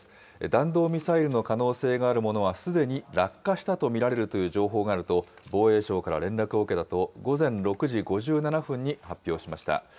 弾道ミサイルの可能性のあるものはすでに落下したと見られるという情報があると、防衛省から連絡を受けたと、午前６時５７分に発表しました。